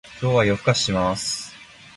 今日は夜更かしします